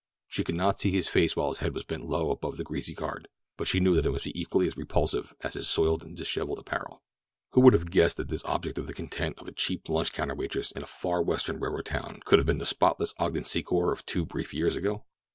She could not see his face while his head was bent low above the greasy card, but she knew that it must be equally as repulsive as his soiled and disheveled apparel. Who would have guessed that this object of the contempt of a cheap lunchcounter waitress in a far Western railroad town could have been the spotless Ogden Secor of two brief years ago?